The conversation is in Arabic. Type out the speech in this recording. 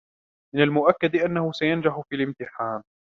من المأكّد أنّه سينجح في الإمتحان.